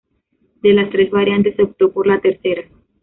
De las tres variantes se optó por la tercera.